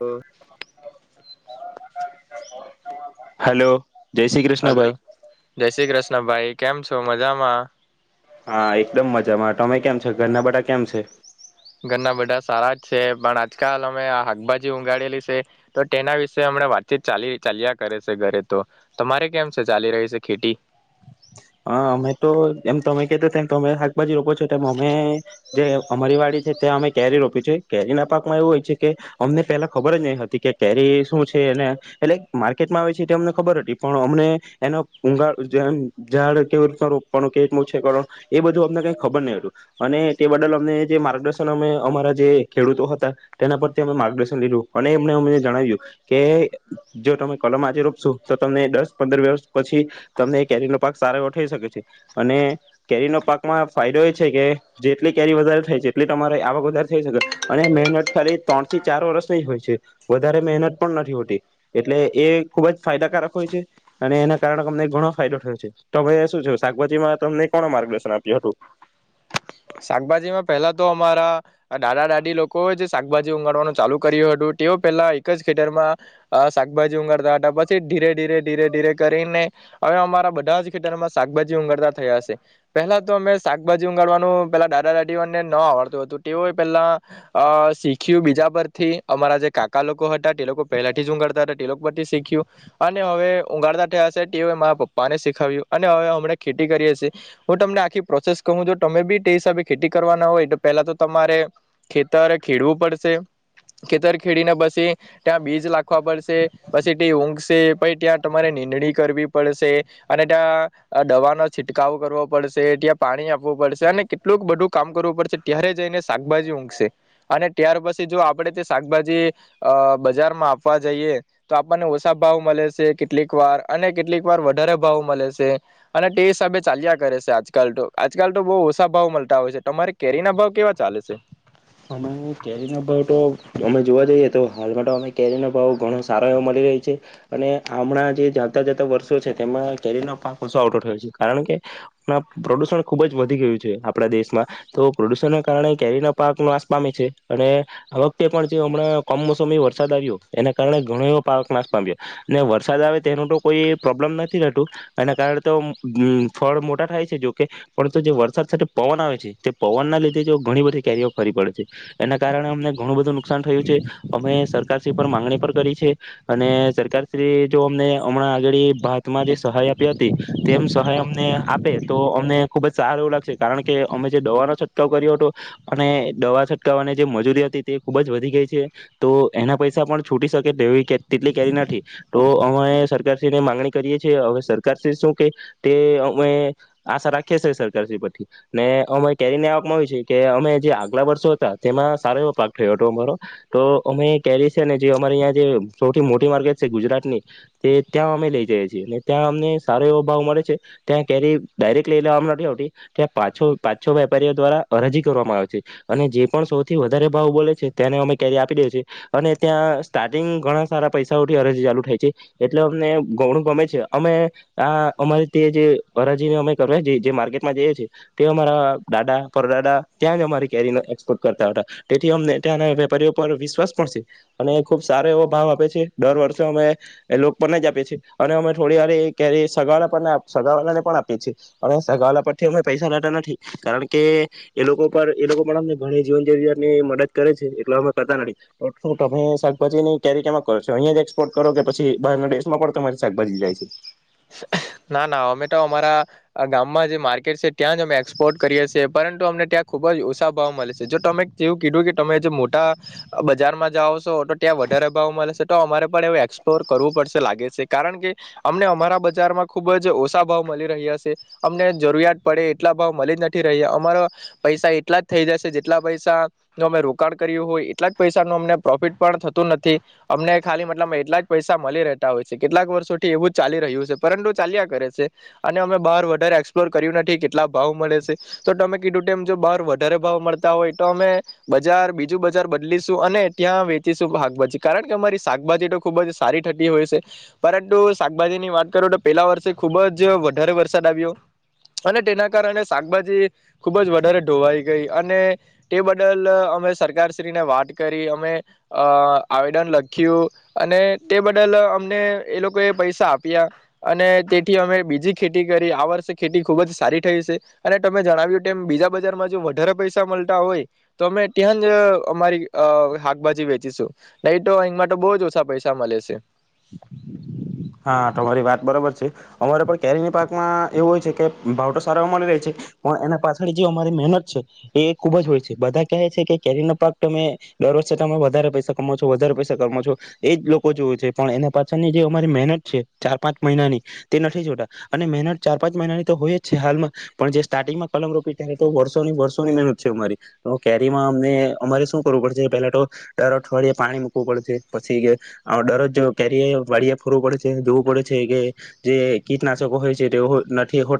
લો. Hello. જય Shri Krishna hello ભાઈ જય શ્રી કૃષ્ણ ભાઈ કેમ છે? તો મજામાં? હા એકદમ મજામાં તમે કેમ છો ઘરના બધા કેમ છે? ઘરના બધા સારા જ છે પણ આજકાલ અમે શાકભાજી ઊગાડેલી છે, તો તેના વિશે અમણા વાતચીત ચાલી ચાલ્યા કરે છે ઘરે તો, તમારે કેમ છે ચાલી રહી છે ખેતી? હા અમે તો એમ તમે કીધૂ તેમ તમે શાકભાજી રોપો છો તેમ અમે જે અમારી વાડી છે ત્યાં અમે કેરી રોપી છે કેરી ના પાકમાં એવું હોય છે કે અમને પેલા ખબર જ નહી હતી કે કેરી શું છે એ એટલે માર્કેટમાં આવે છે અમને ખબર હતી પણ અમને એનો ઊગાળ જેમ- વાનું કેવી ર છે કરવાનું એ બધું અમને કઈ ખબર નહ હતું, અને તે બદલ અમને જે માર્ગદર્શન અમે અમારા જે ખેડૂતો હતા, તેના પરથી અમે માર્ગદર્શન લીધું અને એમને અમ જણાવ્યું, કે જો તમે કલમ આજે રોપશો તો તમને દસ પંદર વર્ષ પછી, તમને કેરી પાક સારો એવો થઈ શકે છે, અને કેરીનો પાકમાં ફાયદો એ છે કે જેટલી કેરી વધારે થાય છે એટલી તમારે આ પાક વધારે થઈ શકે, અને મહેનત ખાલી ત્રણ થી ચાર વર્ષની જ હોય છે વધારે મહેનત પણ નથી હોતી, એટલે એ ખુબ જ ફાયદાકારક હોય છે અને એના કારણે તમને ઘણો ફાયદો થયો છે. તમે શું છે શાકભાજીમાં તમને કોણ માર્ગદર્શન આપ્યું હતું? શાકભાજીમાં પહેલા તો અમારા દાદા દાદી લોકોએ જે શાકભાજી ગાડવાનું ચાલુ કર્યું હતું તેઓ પહેલા એક જ ખેતરમાં, શાકભાજી ગાડતા હતા પછી ધીરે ધીરે ધીરે ધીરે કરીને, હવે અમારા બધા જ ખેતરમાં શાકભાજી ગાડતા થયા થશે પહેલા તો અમે શાકભાજી ગાડવાનું પેલા દાદા દાદીઓને ન આવડતું હતું તેઓએ પેલા, અ શીખ્યું બીજા પરથી અમારા જે કાકા લોકો હતા તે લોકો પહેલાથી જ ઊગાડતા હતા તે લોકો પરથી શીખ્યું, અને હવે ઊગાડતા થયા છે. મારા પપ્પાને શીખાવ્યું અને હવે હમણે ખેતી કરીએ છે. હું તમને આખી પ્રોસેસ કું જો તમે બી તે ખેતી કરવાના હોય તો પેલા તો તમારે ખેતર ખેડવું પડશે, ખેતર ખેડીને પછી ત્યાં બીજ લખવા પડશે પછી તે ઊંઘશે પછ ત્યાં તમારે નીંદણી કરવી પડશે, અને ત્યાં દવાનોો છિટકાવો કરવો પડશે ત્યાં પાણી આપવું પડશે અને એટલું બધું કામ કરવું પડશે ત્યારે જઈને શાકભાજી ઊંઘશે, અને ત્યાર પછી જો આપડે તે શાકભાજી અ બજારમાં આપવા જઈએ તો આપણને ઓછા ભાવ મળે છે કેટલીક વાર અને કેટલીક વાર વધારે ભાવ મળે છે, અને તે હિસાબે ચાલ્યા કરે છે આજકાલ તો આજકાલ તો બહ ઓછ ભાવ મળતા હોય છે તમારે કેરી ના ભાવ કેવા ચાલે છે? અમે કેરીના ભાવ તો અમે જોવા જઈએ તો હાલમાં તો અ કેરીનો ભાવ ઘણો સારો એવો મળી રહ્યો છે, અને હમણાં જે જાતા જતા વર્ષો છે તેમાં કેરીનો પાક ઓછો આવટો થયો છે કારણ કે, પ્રદુષણ ખુબ જ વધી ગયું છે આપડા દેશમાં, તો પ્રદુષણના કારણે કેરીના પાક નાશ પામ છે અને, આ વખતે પણ જે હમણાં કમોસમી વરસાદ આવ્યો એના કારણે ઘણો એવો પાક નાશ પામ્યો, ને વરસાદ આવે તેનું તો કોઈ પ્રોબ્લેમ નથી રહેતું, એના કારણે તોમ ફળ મોટા થાય છે જોકે, પરંત જે વરસાદ સાથે પવન આવે છે તે પવનના લીધે જો ઘણી બધી કેરીઓ ફરી પડે છે, એના કારણે અમને ઘણું બધું નુકસાન થયું છે, અમે સરકારશ્રી પર માંગણી પણ કરી છે, અને સરકારશ્રી જો અમને હમણાં આગળ ભારતમાં જે સહાય આપી હતી, તેમ સહાય અમને આપે તો અમને ખુબ જ સારું એવું લાગશે કારણ કે અમે જે દવાનો છટકો કર્યો હતો. અને દવા છટકાવવાની જે મજૂરી હતી તે ખૂબ જ વધી ગઈ છે, તો એના પૈસા પણ છૂટી શકે તેવી તેટલી કેરી નથી, તો અમે સરકારશ્રીને મામાંગણી કરીએ છ છેએ હવે સરકારશ્રી શું કે તે અમે આશા રાખીએ છીએ સરકારશ્રી પરથી ને અમે કેરીને આપવામાં આવી છે કે અમે જે આગલા વર્ષો હતા તેમાં સારો એવો પાક થયો હતો અમારો તો અમે કેરી છે ને જે અમારે અં જે સૌથી મોટી માર્કેટ છે ગુજરાત ની તે ત્યાં અમે લઈ જઈ છીએ અનેને ત્યાં અમને સારો એવો ભાવ મળે છે ત્યાં કેરી ડાયરેક્ટ લઈ લેવામાં નથી આવતી ત્યાં પાછો પા છો વેપારીઓ દ્વારા અરાજી કરવામાં આવે છે અને જે પણ સૌથી વધારે ભાવ બોલે છે તેને અમે ક્યારે આપી દે છે અને ત્યાં સ્ટાર્ટિંગ ઘણા સારા પૈસાઓથી અરજી ચાલુ થાય છે એટલે અમને ઘૌણું ગમે છે અમે આ અમારે તે જે અરજીને અમે કરવાએ જે માર્કેટમાં જઈએ છીએ તે અમારા દાદા પરદાદ ત્યાં જ અમારી કેરીના એક્સપોર્ટ કરતા હતા તેથી અમનેના વેપારીઓ પર વિશ્વાસ પણ છે અને ખુબ સારો એવો ભાવ આપે છે દર વર્ષે અમે એ લોકો પરને જ આપીએ છીએ અને અમે થોડી વાર કેરી સગાવ સગલાને પણ આપીએ છીએ અને સગાવલા પરથી અમે પૈસા લેતા નથી કારણ કે એ લોકો પર લોકો મનને ઘણી જીવન જરૂરિયાત ની મદદ કરે છે એટલે અમે કરતા નથી શું તમે શાકભાજી ની ક્યારે કેમાં કરો છો અહીયાં જ એક્સપોર્ટ કરો કે પછી બહારના દેશમાં પણ તમારી શાકભાજી જાય છે. ના ના અમે તો અમારા આ ગામમાં જે માર્કેટ છે ત્યાં જ અમે એક્સપોર્ટ કરીએ છીએ પરંતુ અમને ત્યાં ખુબ જ ઓછા ભાવ મળે છે જો તમે જેવું કીધું કે તમે જે મોટા બજારમાં જાઓ છો તો ત્યાં વધારે ભાવ મળે છે તો અમારે પણ એવ એક્સપ્લોર કરવું પડશે લાગે છે કારણ કે અમને અમારા બજારમાં ખુબ જ ઓછા ભાવ મળી રહ્યા છે અમને જરૂરિયાત પડે એટલા ભાવ મળી જ નથી રહ્યા અમારા પૈસા એટલા જ થઈ જશે જેટલા પૈસા ન અમે રોકાણ કર્યું હોય એટલા જ પૈસા ન અમને પ્રોફિટ પણ થતું નથી અમને ખાલી મતલબ એટલા જ પૈસા મળી રહેતા હોય છે કેટલાક વર્ષો થી એવું જ ચાલી રહ્યું છે. પરંતુ ચાલ્યા કરે છે અને અમે બહાર વધારે એક્સપ્લોર કર્યું નથી કેટલા ભાવ મળે છે તો તમે કીધું ટાઈમ જો બહાર વધારે ભાવ મળતા હોય તો અમે બજાર બીજું બજાર બદલીશું અને ત્યાં વેચીશું શાકભાજી કારણ કે અમારી શાકભાજી તો ખુબ જ સારી થતી હોય છે પરંતુ શાકભાજીની વાત કરો તો પેલા વર્ષે ખુબ જ વધારે વરસાદ આવ્યો અને તેના કારણે શાકભાજી ખુબ જ વધારે ધોવાઈ ગઈ અને તે બદલ અમે સરકારશ્રીને વાત કરી અમે અ આવેદન લખ્યું અને તે બદલ અમને એ લોકો એ પૈસા આપ્યા અને તેથી અમે બીજી ખેતી કરી આ વર્ષે ખેતી ખુબ જ સારી થઈ છે અને તમે જણાવ્યું કે બીજા બજારમાં જો વધારે પૈસા મળતા હોય તો અમે ત્યાં જ અમારી હ શાકભાજી વેચીશું નહી તો અહીં માટે બહુ જ ઓછા પૈસા મળે છે. હા તમારી વાત બરોબર છે અમારે પણ કેરી પાકમાં એવું હોય છે કે ભાવ તો સારામાં મળી રહે છે પણ એના પાછળ જે અમારી મહેનત છે એ ખુબ જ હોય છે બધા કહે છે કે કેરીનો પાક તમે દર વર્ષે તમે વધારે પૈસા કમા છો વધારે પૈસા કમાો છો એજ લોકો જો છે પણ એના પાછળનીજે મારી મેહનત છે ચાર પાંચ મહિનાની તે નથી જોતા અને મહેનત ચાર પાંચ મહિનાની તો હોય જ છે હાલમાં પણ જે સ્ટાર્ટિંગમાં પલંગ રોપી ત્યારે તો વર્ષોની વર્ષોની મહેનત છે અમારી તો કેરીમાં અમને અમારે શું કરવું પડશે પેલા તો ડર અઠવાડિયે પાણી મૂકવું પડશે પછી કે ડરરોજ કેરી વાળિયા ફરવું પડે છે જોવું પડે છે કે જે કીટનાશકો હોય છે તે નથી હો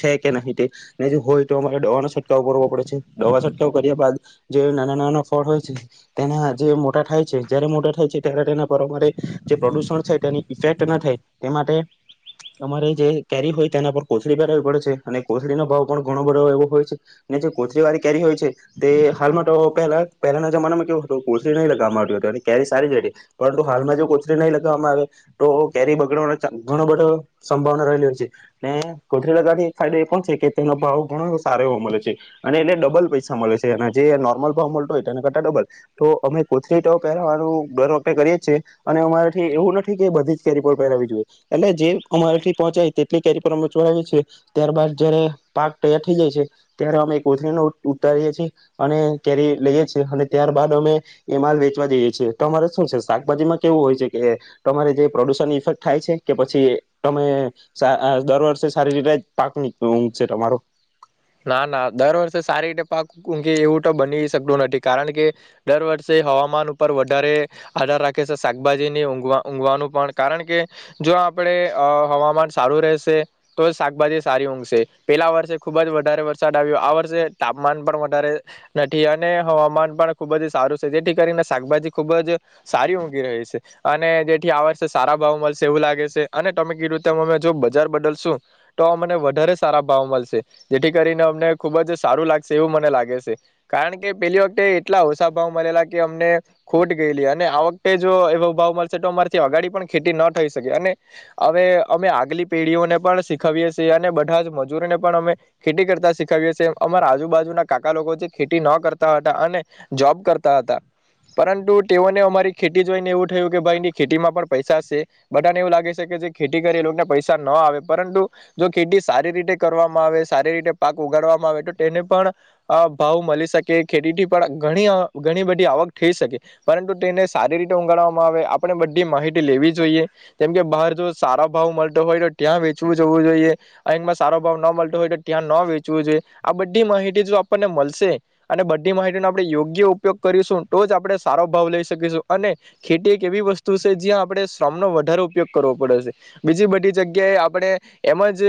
છે કે નહીં તેને હોય તો અમારે દવાનો છટકાવ કરવો પડે છે દવા છટકાવ કર્યા બાદ જે નાના નાના ફળ હોય છે તેના જે મોટા થાય છે જારે મોટા થાય છે ત્યારે તેના પર અમારે જે પ્રદુષણ છે તેની ઇફેક્ટ ના થાય તે માટે અમારે જે કેરી હોય તેના પર કોથળી પહેરાવી પડે છે અને કોથળીનો ભાવ પણ ઘણો બધો એવો હોય છે ને જે કોથળ વાળી કેરી હોય છે તે હાલમાં તો પહેલા પહેલાના જમાનામાં કેવો હતો કોથડી નહીંગવામાં આવ હતું અને કેરી સારી જ પરંતુ હાલમાં જો કોથળ નહીં લગાવવામાં આવે તો કેરી બગડવા ઘણ બધો સંભાવના રહેલી હોય છે ને કોથરી લગા એક ફાયદો એ પણ છે કે તેનો ભાવ ઘણો સારો એવો મળે છે અને એટને ડબલ પૈસા મળે છે અને જે નોર્મલ ભાવ મળતો હોય તેને કરતા ડબલ તો અમે કોથરી તો પહેરવાનું દર રોપે કરીએીએ અને અમારેથી એવું નથી કે બધી કેરીપર પહેરાવી જોઈએ એટલે જે અમારેથી પહંચાય તેટલી કેરી પરર અમે ચોરાવીએ છીએ ત્યારબાદ જય પાક તૈયાર થઈ જાય છે ત્યારે અમે કોથરીને ઉતારીએ છીએ અને કેરી લઈએ છીએ અને ત્યારબદ અમે એ માલ વેચવા જઈએ છ છેીએ તો અમારે શું છે શાકભાજીમાં કેવું હોય છે કે તમારે જે પ્રોદુષન ઇફેક્ટ થાય છે કે પછી તમે સા અ દર વર્ષે સારી રીતે પાક ની ઊઘ છે તમારો ના ના દર વર્ષે સારી રીતે પાક ઊંઘી એવું તો બની શકતું નથી કારણ કે દર વર્ષે હવામાન ઉપર વધારે આધાર રાખે છે શાકભાજીની ઊંઘવા ઊંઘવાનું પણ કારણ કે જો આપણેે હવામાન સારું રહેશે તો શાકભાજી સારી ઊંઘશે પેલા વર્ષે ખુબજ વધારે વરસાદ આવ્યો આ વર્ષે તાપમાન પણ વધારે નથી અને હવામાન પણ ખુબ જ સારું છે જેથી કરીને શાકભાજી ખુબ જ સારી ઊંઘી રહી છે અને જેથી આ વર્ષે સારા ભાવ મળશે એવું લાગે છે અને તમે કી રુંતે અમે જો બજાર બદલશું તો મને વધારે સારા ભાવ મળશે. જેથી કરીને અમને ખૂબ જ સારું લાગશે એવું મને લાગે છે કારણ કે પેલી વખતે એટલા ઓછા ભાવ મળેલા કે અમને ખોટ ગયેલી અને આ વખતે જો એવો ભાવ મળશે તો અમારીથી અગાડી પણ ખેતી ન થઈ શકે અને હવે અમે આગલી પેઢીઓને પણ શીખવીએ છીએ અને બધા જ મજૂરોને પણ અમે ખેતી કરતા શીખએ છે અમારા આજુબાજુના કાકા લોકો જે ખેતી ન કરતા હતા અને જોબ કરતા હતા પરંતુ તેઓને અમારી ખેતી જોઈને એવું થયું કે ભાઈની ખેતી માં પણ પૈસા છે બધાને એવું લાગે છે કે જે ખેતી કરે એ લોકોને પૈસા ન આવે પરંતુ જો ખેતી સારી રીતે કરવામાં આવે સારી રીતે પાક ઉગાડવામાં આવે તો તેને પણ ભાવ મળી શકે ખેતીથી પણ ઘણી ઘણી બધી આવક થઈ શકે પરંતુ તેને સારી રીતે ગાડવામાં આવે આપણે બધી માહિતી લેવી જોઈએ કેમ કે બહાર જો સારા ભાવ મળ નો હોય તો ત્યાં વેચવું જવું જોઈએ. અહીંકમાં સારો ભાવ ન મલતો હોય તો ત્યાં ન વેચવું જોઈ. આ બધી માહિતી જો આપણને મલશે અને બધી માહિતીનો આપણે યોગ્ય ઉપયોગ કરીશું તો જ આપણે સારો ભાવ લઈ શકીશું, અને ખેતી એક એવી વસ્તુ સે જ્યાં આપણે શ્રમનો વધારેો ઉપયોગ કરવો પડે છે. બીજી બધી જગ્યાએ આપણે એમ જ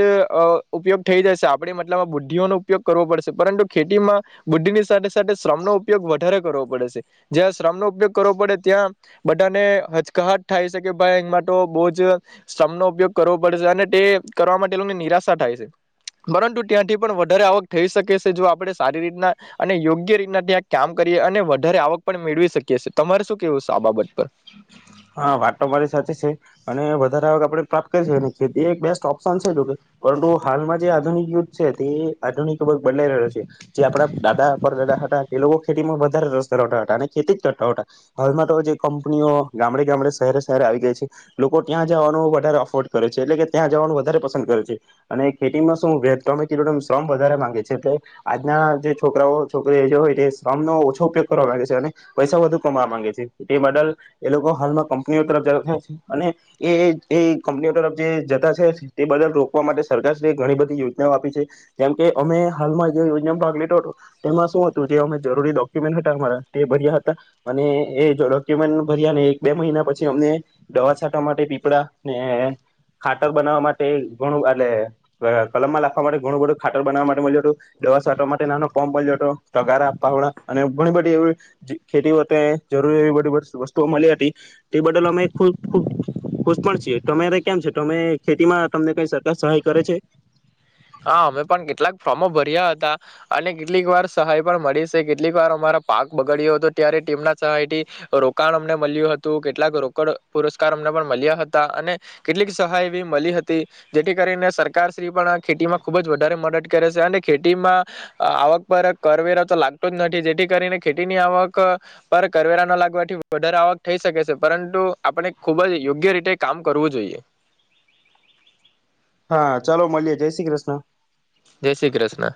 અહ ઉપયોગ થઈ જશે. આપણે મતલબમાં બુદ્ધિઓનો ઉપયોગ કરવો પડશે, પરંતુ ખેતી માં બુદ્ધિની સાથે સા થે શ્રમનો ઉપયોગ વધારે કરવો પડે છે. જ્યાં શ્રમ નો ઉપયોગ કરવો પડે ત્યાં બધાને હચકાહટ થાય છે કે ભાઈ એમાં તો બહું જ શ્રમનો ઉપયોગ કરવો પડે છે, અને તે કરવા માટે એ લોકોને નિરાશા થાય છે. પરંતુ ત્યાંથી પણ વધારે આવક થઈ શકે સે, જો આપણે સારી રીતના અને યોગ્ય રીતના ત્યાં કામ કરીએ, અને વધારે આવક પણ મેળવી શકીએ સે. તમારે શું કેવું છે આ બાબત પર? હા વાત તો મારી સાચી છે અને વધારે આવક આપણેે પ્રાપ્ત કરી [unintelligible] અને ખેતી એક બેસ્ટ ઓપ્શન સે જો કે, પરંતુ હાલમાં જે આધુનિક યુગ છે તે આધુનિક વર્ગ બદલાઈ રહ્યો છે, જે આપણા દાદા, પરદાદા હતા તે લોકો ખેતીમાં વધારે રસ ધરાવતા હતા, અને ખેતી જ કરતા હતા. હાલમાં તો જે કંપનીઓ ગામડે-ગામડે, શહેરે-શહેરે આવી ગઈ છે, લોકો ત્યાં જવાનું વધારે અફોર્ડ કરે છે, એટલે કે ત્યાં જવાનું વધારે પસંદ કરે છે, અને ખેતીમાં શું વે તમ કીધું તેમ શ્રમ વધારે માંગે છે, એટલે આજના જે છોકરાઓ છોકરીઓ જે હોય તે શ્રમનો ઓછો ઉપયોગ કરવા માંગે છે, અને પૈસા વધુ કમાવા માંગે છે. તે બદલ એ લોકો હાલમાં કંપનીઓ તરફ જતા છે, અને એ જ એ કંપનીઓ તરફ જે જતા છે તે બદલ રોકવા માટે સરકારશ્રી એ ઘણી બધી યોજનાઓ આપી છે, જેમકે અમે હાલમાં જે યોજનામાં ભાગ લીધો હતો, તેમાં શું હતું જે અમે જરૂરી ડોક્યુમેન્ટ હતા અમારા તે ભર્યા હતા અને એ જો ડોક્યુમેન્ટ ભર્યા ને એક બે મહિના પછી અમને દવા છંટવા માટે પીપળા, ને ખાતર બનાવવા માટે ઘણું એટલે અહ કલમમાં લખવા માટે ઘણું બધું ખાતર બનાવવા માટે મલ્યું હતું, દવા છાંટવા માટે નાનો પંપ મલ્યો તો, તગારા, પાવડા અને ઘણી બધી એવી જે ખેતીઓ તે જરૂરી એવી બધી વસ વસ્તુઓ મલી હતી, તે બદલ અમે ખુબ-ખુબ ખુશ પણ છીએ. તમારે કેમ છે? તમે ખેતીમાં તમને કઈ સરકાર સહાય કરે છે? હા અમે પણ કેટલાક ફોર્મો ભર્યા હતા, અને કેટલીક વાર સહાય પણ મળી સે, કેટલીક વાર અમારા પાક બગડ્યો હતો ત્યારે ટીમના સહાયથી રોકાણ અમને મલ્યું હતું, કેટલાક રોકડ પુરસ્કાર અમને પણ મલ્યા હતા અને કેટલીક સહાય બી મલી હતી, જેથી કરીને સરકારશ્રી પણ ખેતીમાં ખુબ જ વધારે મદદ કરે છે, અને ખેતીમાં આવક પર કરવેરા તો લાગતો જ નથી, જેથી કરીને ખેતીની આવક પર કરવેરા ન લાગવાથી વધારે આવક થઈ શકે છે, પરંતુ આપણે ખુબ જ યોગ્ય રીતે કામ કરવું જોઈએ. હા ચાલો મલીએે, જય શ્રી કૃષ્ણ. જય શ્રી કૃષ્ણ.